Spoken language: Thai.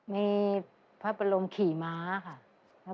มีพระบรมขี่ม้าค่ะ